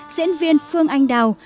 diễn viên phương anh đào